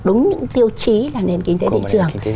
đúng những tiêu chí là nền kinh tế thị trường